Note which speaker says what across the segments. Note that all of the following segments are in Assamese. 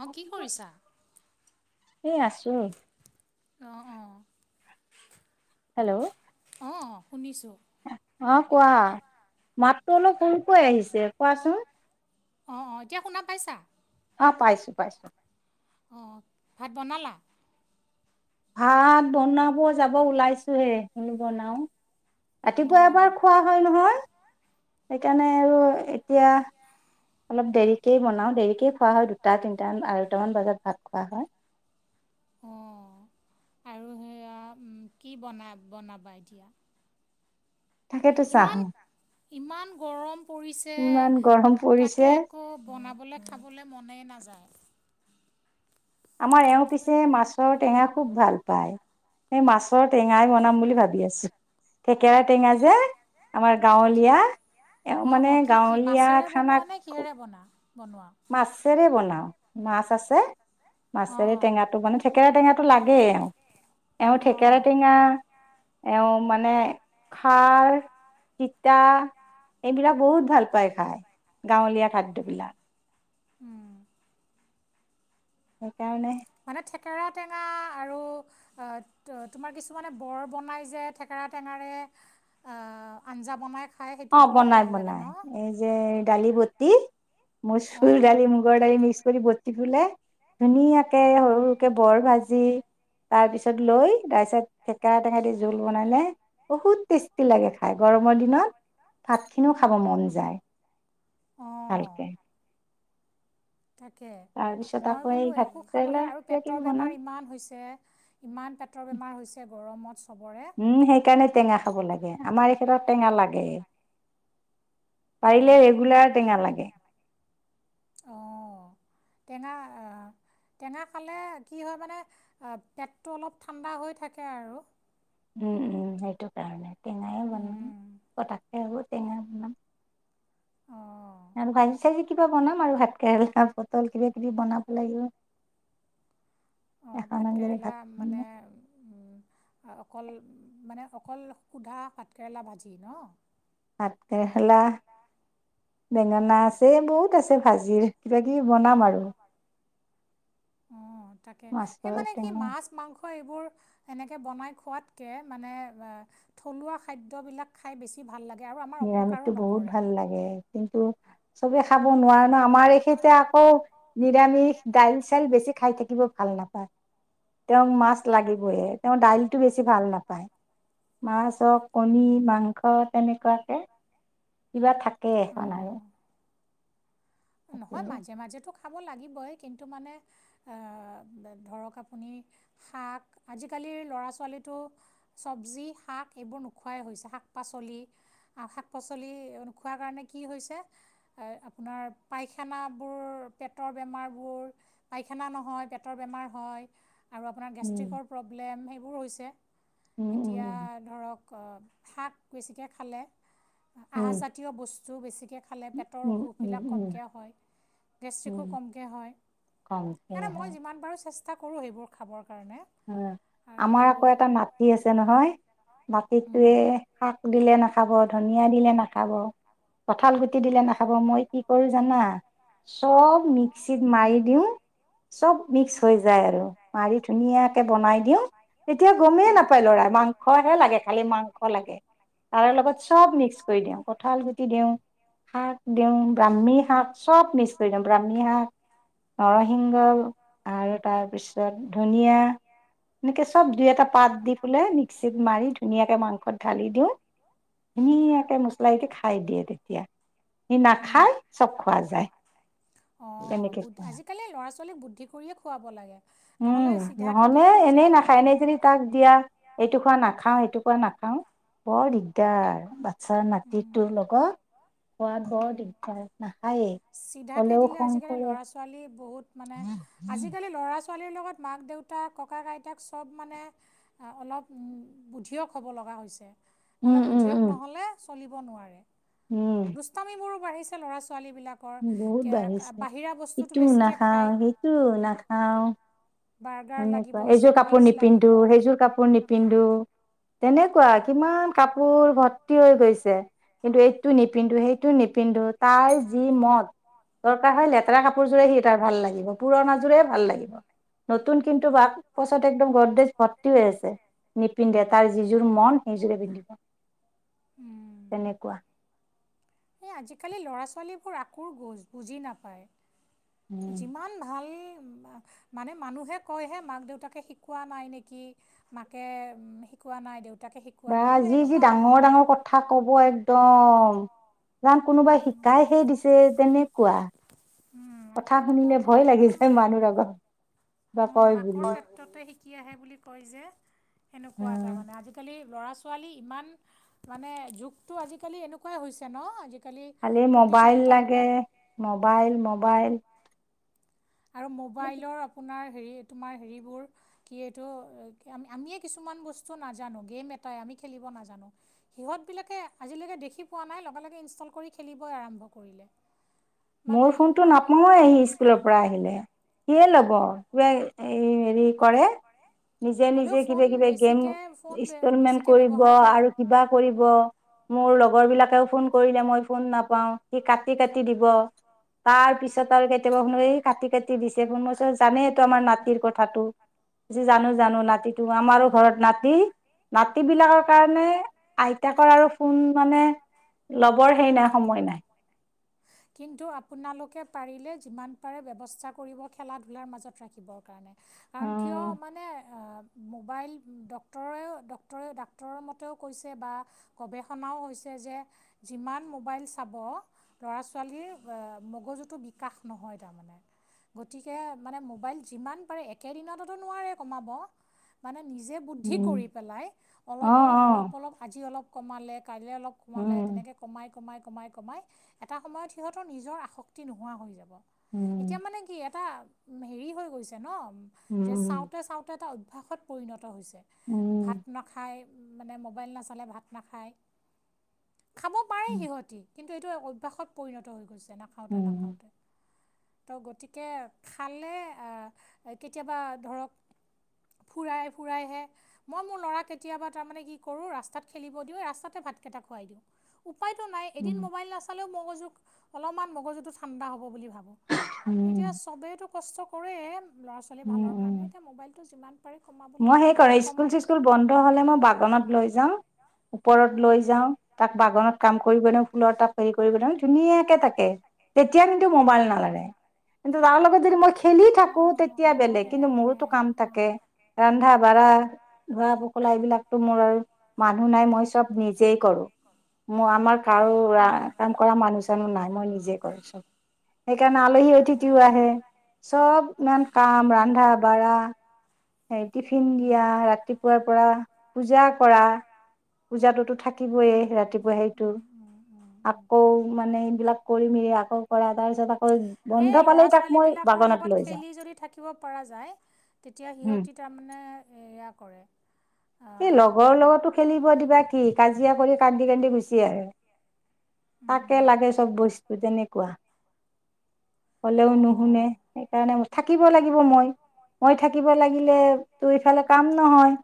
Speaker 1: অ', কি কৰিছা?
Speaker 2: এ আছো।
Speaker 1: অ', অ'।
Speaker 2: হেল্ল'।
Speaker 1: অ', শুনিছো।
Speaker 2: অ', কোৱা মাতটো অলপ কোনকৈ আহিছে, কোৱাচোন।
Speaker 1: অ', অ', এতিয়া শুনা পাইছা?
Speaker 2: অ', পাইছোঁ পাইছোঁ।
Speaker 1: অ', ভাত বনালা?
Speaker 2: ভাত বনাব যাব ওলাইছোহে, কিনো বনাও। ৰাতিপুৱা এবাৰ খোৱা হয় নহয়, সেইকাৰণে আৰু এতিয়া অলপ দেৰিকেই বনাওঁ, দেৰিকেই খোৱা হয়, দুটা তিনিটামান আহৈটামান বজাত ভাত খোৱা হয়।
Speaker 1: অ', আৰু আৰু সেয়া কি বনাবা এতিয়া? ইমান ইমান গৰম পৰিছে, তাকে একো বনাব বলে খাবলে মনে নাযায়।
Speaker 2: আমাৰ এওঁ পিছে মাছৰ টেঙা খুব ভাল পায়। এই মাছৰ টেঙাই বনাম বুলি ভাবি আছো। থেকেৰা টেঙা যে আমাৰ গাঁৱলীয়া এ মানে গাঁৱলীয়া খানা খুব মাছেৰে বনাওঁ, মাছ আছে। মাছেৰে টেঙাটো মানে ঠেকেৰা টেঙাটো লাগেই এওঁক, এও ঠেকেৰাটেঙা এও মানে খাৰ তিতা এইবিলাক বহুত ভাল পায় খাই, গাঁৱলীয়া খাদ্যবিলাক।
Speaker 1: উম।
Speaker 2: সেইকাৰণে
Speaker 1: মানে থেকেৰা টেঙা আৰু ত তোমাৰ কিছুমানে বৰ বনাই যে, থেকে ৰা টেঙাৰে আঞ্জা বনাই
Speaker 2: অ ', বনাই বনাই, এই যে দালি বটি মোৰ ফুল গালি [unintelligible] একচুৱেলি বতি ফুলে ধুনীয়াকে সৰু সৰুকে বৰ ভাজি তাৰ পিছত লৈ তাৰপিছত থেকেৰা টেঙা দি জোল বনালে বহুত টেষ্টি লাগে খাই, গৰম গৰমৰ দিনত ভাতখিনিও খাব মন যায় ভালকে।
Speaker 1: তাকে, মই বোলো একো খাবলৈ আৰু পেটৰ বেমাৰ ইমান হৈছে ইমান পেট
Speaker 2: উম', সেইকাৰণে টেঙা খাব লাগে, আমাৰ এইখেতৰ টেঙা লাগে, পাৰিলে ৰেগুলাৰ টেঙা লাগে।
Speaker 1: অ', তেঙা তেঙা খালে কি হয় মানে, পেটটো অলপ ঠাণ্ডা হৈ থাকে আৰু।
Speaker 2: উম', উম', সেইটো কাৰণে, টেঙাই বন কটা এবোৰ তেঙা [unintelligible]
Speaker 1: অহ'।
Speaker 2: আৰু ভাজি চাজি কিবা বনাম আৰু, ভাত কেৰেলা, পটল কিবা কিবি বনাব লাগিব।
Speaker 1: অঁ ভাতকেৰেলা মানে অকল মানে অকল সুধা কাতকেৰেলা ভাজি ন
Speaker 2: পাত কেেৰেখলা বেঙেনা আছে বহুত আছে ভাজিৰ কিবা কিবি বনাম আৰু
Speaker 1: অ তাকে স মানে কি মাছ মাংস এইবোৰ এনেকে বনাই খোৱাতকে মানে থলুৱা খাদ্যবিলাক খাই বেছি ভাল লাগে
Speaker 2: নিৰামিষটো বহুত ভাল লাগে কিন্তু চবে খাব নোৱাৰে ন আমাৰ এইখেতে আকৌ নিৰামিষ দাইল চাইল বেছি খাই থাকিব ভাল ন াপায় তেওঁক মাছ লাগিবয়ে তেওঁ দাইলটো বেছি ভাল নাপায় মাছ চ কণী মাংস তেনেকুৱাকে কিবা থাকেই এখন আৰু
Speaker 1: নহয় মাজে মাজেতো খাব লাগিবই কিন্তু মানে ধৰক আপুনি শাক আজিকালি াল ল'ৰা ছোৱালীো চব্জি শাক এইবোৰ নোখোৱাই হৈছে শাক পাচলি শাক পাচলি নোখোৱা কাৰণে কি হৈছে আপোনাৰ পায়খানাবোৰ পেটৰ বেমাৰবোৰ পায়খানা নহয় পেটৰ বেমাৰ হয় আৰু আপোনাৰ গেষ্ট্ৰিকৰ প্ৰব্লেম সেইবোৰ হৈছে এতিয়া ধৰক শাক বেছিকৈ খালে আহজাতীয় বস্তু বেছিকৈ খালে পেটৰ অসুখবিলাক কমকৈ হয় গেষ্ট্ৰিকো কমকৈ হয় সেণে মই যিমান পাৰোঁ চেষ্টা চেষ্টা কৰোঁেইবোৰ খাবৰ
Speaker 2: উ আমাৰ আকৌ এটা মাটি আছে নহয় মতিিতটোৱে শাক দিলে নাখাব ধনিয়া দিলে নাখাব কঁঠাল গুটি দিলে নাখাব মই কি কৰো জানা চব মিক্সিত মাৰ দিওঁ চব মিক্স হৈ যায় আৰু মাৰি ধুনীয়াকে বনাই দিওঁ তেতিয়া গমিয়ে নাপায় লৰাই মাংসহে লাগে খালি মাংস লাগে তাৰ লগত চব মিক্স কৰি দিওঁ কঠাল গুটি দিওঁ শাক দিওঁ ব্ৰাহ্মী শাক চব নিশ্চয়দম ব্ৰাহ্মী শাক নৰসিংহ আৰু তাৰপিছত ধনিয়া এনেকে চব দুই এটা পাত দি পেলাই মিক্সিত মাৰি ধুনীয়াকৈ মাংসত ঢালি দিওঁ ধুনীয়াকে মছলাতি খাই দিয়ে তেতিয়া সি নাখায় চব খোৱা যায় তেনেকে খোৱা
Speaker 1: বুদ্ধি কৰিয়ে খুৱাব লাগে নহ'লে
Speaker 2: নহলে এনেই নাখায় এনে যী তাক দিয়া এইটো খোৱা নাখাও এইটো খোৱা নাখাও বৰ দিগদাৰ বাচ্ছাৰ মাটিটোৰ লগত খোৱাত বৰ দিগদাৰ নাখায়েই
Speaker 1: িাকৈ দিলোল ল' ব মান ছোৱালীৰ লগত মাক দেউতাক ককা আইতাক চব মানে অলপ বুদ্ধিয়ক হ'ব লগা কৰাোৱা হৈছে নহলে বুধিয়ক নহলে চলিব নোৱাৰে দুষ্টামিবোৰো বাঢ়িছে ল'ৰা ছোৱাল
Speaker 2: বহুত বাঢ়িছে ইটোও নাখাও সেইটো নাখাও সনেকুৱা এইযোৰ কাপোৰ নিপিন্ধো সেইযোৰ কাপোৰ নিপিন্ধো তেনেকুৱা কিমান কাপোৰ ভৰ্তি হৈ গৈছে কিন্তু এইটো নিপিন্ধো সেইটো নিপিন্ধো তাৰ যি মদ দৰকাৰ হয় লেতেৰা কাপোৰযোৰে সি তাৰ ভাল লাগিব পুৰণাযোৰেই ভাল লাগিব কিন্তু বাক পছত একদম গদদজ ভৰ্তি হৈ আছে নিপিন্ধে তাৰ যিযোৰ মন সেইযোৰে পিন্ধিব তেনেকুৱা
Speaker 1: এ আজিকালি ল'ৰা ছোৱালীবোৰ আকৌ বুজি নাপায় যিমান ভাল মানে মানুহে কয় হে মাক দেউতাকে শিকোৱা নাই নেকি মাকে কোৱা নাই দেউ
Speaker 2: বা যি যি ডাঙৰ ডাঙৰ কথা কব একদম। যান কোনোবাই শিকাইহে দিছে তেনেকুৱা। কথা শুনিলে ভয় লাগি যাই মানুহ আগত।
Speaker 1: উম মাকৰ ক্ষেত্ৰতে শিকি আহে বুলি কয় যে এনেকুৱা এটা মানে আজিকালি ল'ৰা ছোৱালী ইমান মানে যুগটো আজিকালি এনেকুৱাই হৈছে ন'
Speaker 2: খালি মবাইল লাগে মবাইল মবাইল।
Speaker 1: আৰু মোবাইলৰ আপোনাৰ হেৰি তোমাৰ হেৰিবোৰ কি এইটো আমি-আমিয়ে কিছুমান বস্তু নাজানো গেম আটায়ে আমি খেলিব নাজানো, সিহঁত বিলাকে আজিলৈকে দেখি পোৱা নাই লগে লগে ইনষ্টল কৰি খেলিবই আৰম্ভ কৰিলে। [inaudible]
Speaker 2: মোৰ ফোনতটো নাপওঁয়ে হী স্কুলৰ পৰা আহিলে। কিয়ে ল'ব কিবা এ হেৰি কৰে নিজে নিজে কিবা কিবি গেম ইনষ্টলমেন্ট কৰিব আৰু কিবা কৰিব। মোৰ লগৰ বিলাকেও ফোন কৰিলে মই ফোন নাপাওঁ সি কাটি কাটি দিব। তাৰ পিছত আৰু কেতিয়াবা শুনো এই কাটি কাটি দিছে ফোন ম ছোঁ জানেইটো আমাৰ নাট নাতিৰ কথাটো, জানো জানো নাতিটো আমাৰো ঘৰত নাতি নাতি বিলাকৰ কাৰণে আইতাক আৰু ফোন মানে লবৰ হেৰি নাই সময় নাই।
Speaker 1: উ কিন্তু আপোনালোকে পাৰিলে যিমান পাৰে ব্যৱস্থা কৰিব খেলা ধূলাৰ মাজত ৰাখিব কাৰণে কাৰণ কিয় মানে আ মোবাইল ডাক্তৰেও ডক্তৰে ডাক্তৰৰ মতেও কৈছে বা গৱেষণাও হৈছে যে যিমান মোবাইল চাব ল'ৰা ছোৱালী এ মগজুটো বিকাশ নহয় তাৰ মানে, গতিকে মানে মোবাইল যিমান পাৰে একেদিনততো নোৱাৰে কমাব মানে নিজে বুদ্ধি কৰি পেলাই অলপ অলপ অলপ অলপ আজি অলপ কমালে কাইলৈ অলপ কমালে তেনেকৈ কমাই কমাই কমাই কমাই এটা সময়ত সিহঁতৰ নিজৰ আসক্তি নোহোৱা হৈ যাব। এতিয়া মানে কি এটা হেৰি হৈ গৈছে ন' যে চাওঁতে চাওঁতে এটা অভ্যাসত পৰিণত হৈছে ভাত নাখাই মানে মোবাইল নাচলে ভাত নাখায়, খাব পাৰে সিহঁতি কিন্তু এইটো অভ্যাসত পৰিণত হৈ গৈছে নাখাওঁতে নাখাওঁতে। ত' গতিকে খালে কেতিয়াবা ধৰক ফুৰাই ফুৰাইহে মই মোৰ ল'ৰা কেতিয়াবা তাৰমানে কি কৰো ৰাস্তাত খেলিব দিওঁ ৰাস্তাতে ভা ভাতকেইটা খুৱাই দিওঁ উপায়তো নাই এদিন মবাইল নাচালেও মগজুক অলপমান মগজুটো ঠাণ্ডা হ'ব বুলি ভাবো, এতিয়া চবেইতো কষ্ট কৰে ল'ৰা ছোৱালী ভালৰ কাৰণে এতিয়া মোবাইলটো যিমান
Speaker 2: মই হেই কৰ স্কুল চিস্কুল বন্ধ হলে মই বাগানত লৈ যাওঁ ওপৰত লৈ যাওঁ তাক বাগানত কাম কৰিব দিও ফুলত তাপ হেৰি কৰিব দিওঁ ধুনীয়াকে তাকে তেতিয়া কিন্তু মবাইল নালাগে কিন্তু তাৰ লগত যদি মই খেলি থাকো তেতিয়া বেলেগ কিন্তু মোৰোতো কাম থাকে। ৰন্ধা বাঢ়া ধোৱা পখলা এইবিলাকতো মোৰ আৰু মানুহ নাই মই চব নিজেই কৰোঁ। ম আমাৰ কাৰো কাম কৰা মানুহ চানো নাই মই নিজে কৰো চব। সেইকাৰণে আলহী অতিথিও আহে চব ইমান কাম ৰন্ধা বাঢ়া হ টিফিন দিয়া ৰাতিপুৱাৰ পৰা পূজা কৰা পূজাটোতো থাকিবয়ে ৰাতিপুৱা সেইটো। আকৌ মানে এইবিলাক কৰি মেলি আকৌ কৰা তাৰ পিছত
Speaker 1: সেই ল'ৰা ছোৱালীবিলাকৰ লগত খেলি যদি থাকিব পৰা যায় তেতিয়া সিহঁতি তাৰমানে এয়া কৰে।
Speaker 2: এই লগৰ লগতো খেলিব দিবা কি কাজিয়া কৰি কান্দি কান্দি গুচি আহে। তাকে লাগে চব বস্তু তেনেকুৱা। হলেও নুশুনে সেইকাৰণে থাকিব কিব লাগিব মই। মই থাকিব লাগিলেতো ইফালে কাম নহয়।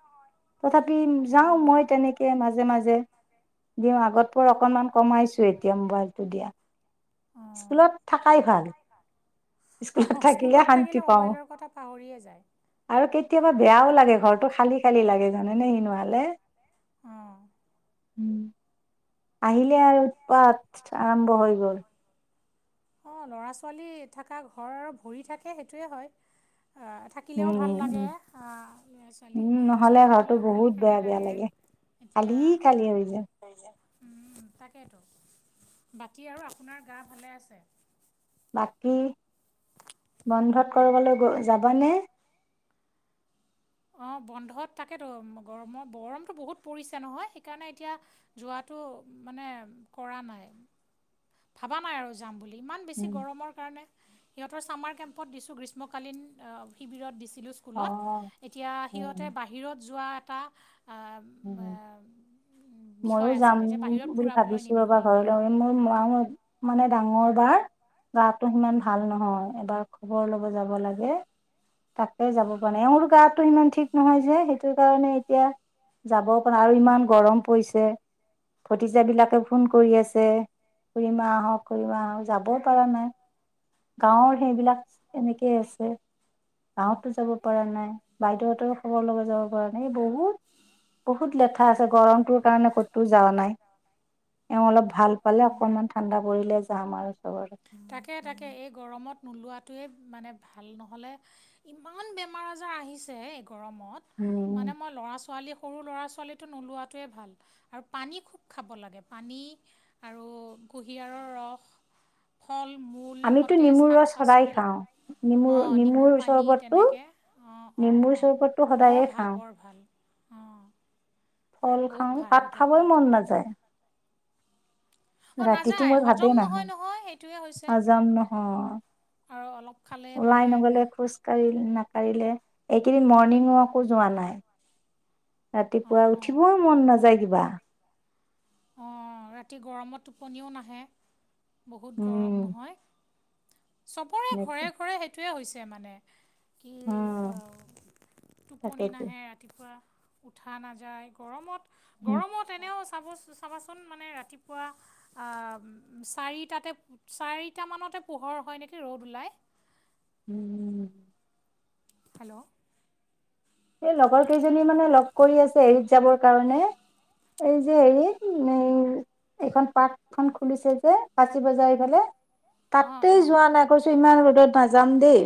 Speaker 2: তথাপি যাওঁ মই তেনেকে মাজে মাজে। দিম আগতকৈ অকণমান কমাইছোঁ এতিয়া মোবাইলটো দিয়া। স্কুলত থাকাই ভাল, স্কুলত থাকিলে শান্তি পাওঁ।
Speaker 1: কথা পাহৰিয়ে যায়।
Speaker 2: আৰু কেতিয়াবা বেয়াও লাগে, ঘৰটো খালি খালি লাগে জানেনে সি নোহালে।
Speaker 1: অ'।
Speaker 2: আহিলে আৰু উৎপাত আৰম্ভ হৈ গ'ল।
Speaker 1: অ' ল'ৰা ছোৱালী থাকা ঘৰ আৰু ভৰি থাকে সেইটোৱে হয়। থাকিলেও ভাল লাগে ল'ৰা ছোৱালী স্কুল গ'লেও খালী খালী লাগে। এতিয়া, কৈজা উম, তাকেইেতো বাকী আৰু আপোনাৰ গা ভালে আছে?
Speaker 2: বাকী বন্ধত কৰবালৈ গ-যাবানে?
Speaker 1: অ'। বন্ধত তাকেতো গৰমৰ গৰমটো বহুত পৰিছে নহয় সেইকাৰণে এতিয়া যোৱাটো মানে কৰা নাই, ভবা নাই আৰু যাম বুলি ইমান বেছি গৰমৰ কাৰণে। সিহঁতৰ চামাৰ কেম্পত দিছোঁ, গ্ৰীষ্মকালীন শিবিৰত দিচ চিলো স্কুলত এতিয়া সিহঁতে বাহিৰত যোৱা এটা [unintelligible]
Speaker 2: ময়ো যাম বুলি ভাবিছোঁ ৰ'বা ঘৰলৈ মোৰ মাও মানে ডাঙৰ বাৰ গাটো অকমান ভাল নহয়, এবাৰ খবৰ ল'ব যাব লাগে। তাকে যাব পৰা নাই। এওঁৰো গাতো ইমান ঠিক নহয় যে সেইটো কাৰণে এতিয়া যাব পৰা আৰু ইমান গৰম পৰিছে ভতিজাবিলাকে ফোন কৰি আছে। খুৰিমা আহক খু়ৰিমা আহক, যাবই পৰা নাই। গাঁৱৰ সেইবিলাক এনেকেই আছে। গাঁৱতো যাব পৰা নাই। বাইদেউহঁতৰো খবৰ লব যাব পৰা নাই, এই বহুত বহুত লেঠা আছে গৰমটোৰ কাৰণে ক'তোও যোৱা নাই। এওঁ অলপ ভাল পালে, অকণমান ঠাণ্ডা পৰিলে যাম আৰু চবৰে।
Speaker 1: গৰমত নোলোৱাতোৱে মানে ভাল নহ'লে ইমান বেমাৰ আজাৰ আহিছে গৰমত মানে মই ল'ৰা ছোৱালী সৰু ল'ৰা ছোৱালীটো নোলোৱাটোৱে ভাল আৰু পানী খুব খাব লাগে পানী আৰু কুঁহিয়াৰৰ ৰস
Speaker 2: আমিতো নেমুৰ ৰচ সদাই খাওঁ।
Speaker 1: অ' নিমু পানী তেনেকে, অ', অ', অ' বৰ ভাল বৰ ভাল।
Speaker 2: ফল খাওঁ, ভাত খাবই মন নাযায়। ৰাতিটো মই ভাতেই নাখাওঁ, হজম নহয়। লাইন গ'লে খোজকাঢ়ি না পাৰিলে এইকেইদিন মৰ্ণিং ৱাকো যোৱা নাই। ৰাতিপুৱা উঠিবই মন নাযায় কিবা।
Speaker 1: অ' ৰাতি গৰমত টোপনিও নাহে, বহুত গৰম নহয়। চবৰে ঘৰে ঘৰে সেইটোৱে হৈছে মানে। কি আ, টোপনি নাহে ৰাতিপুৱা। উঠা নাযায়। গৰমত গৰমত এনেও চাব চাবাচোন মানে ৰাতিপুৱা আ, চাৰিটাতে চাৰিতা মনতে পুহৰ হয় নেকি। ৰ'দ ওলাই।
Speaker 2: উম, উম।
Speaker 1: হেল্ল'
Speaker 2: এই লগৰ কেইজনী মানে লগ কৰি আছে এৰিত যাবৰ কাৰণে। এই যে হেৰি [unintelligible] এইখন পাৰ্ক খন খুলিছে যে ফাঁচীবজাৰ এইফালে? তাতেই যোৱা নাই কৈছো ইমান ৰদত নাযাম দেই।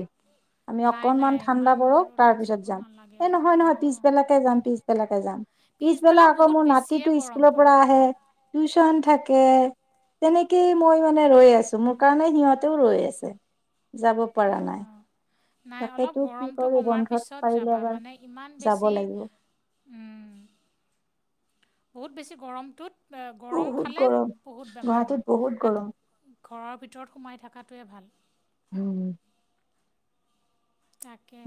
Speaker 2: আমি অকনমান ঠাণ্ডা পৰক তাৰপিছত যাম। এ নহয় নহয় পিছবেলাকে যাম, পিছবেলাকে যাম। পিছবেলা আকৌ মোৰ নাতিটো স্কুলৰ পৰা আহে। টিউছন্ত থাকে, তেনেকেই মই মানে ৰৈ আছো। মোৰ কাৰণে সিহঁতেও ৰৈ আছে। যাব পৰা নাই।
Speaker 1: নাই অলপ গৰমটো কমাৰ পিছত যাবা, মানে ইমান বেছি উম বহুত বেছি গৰমটোত
Speaker 2: বহুত গৰম, গুৱাহাটীত বহুত গৰম।
Speaker 1: ঘৰৰ ভিতৰত সোমাই থাকাটোৱে ভাল।
Speaker 2: উম।
Speaker 1: তাকে।